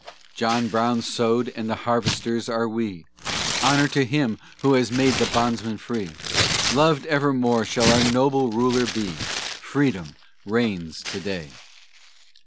John Brown sowed and the harvesters are we; Honor to him who has made the bondsman free; Loved evermore shall our noble ruler be, Freedom reigns to day!